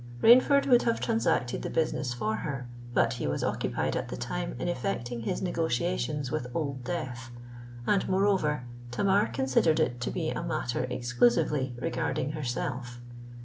Rainford would have transacted the business for her, but he was occupied at the time in effecting his negotiations with Old Death; and, moreover, Tamar considered it to be a matter exclusively regarding herself.